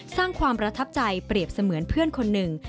สร้างความประทับใจเปรียบเสมือนเพื่อนคนหนึ่ง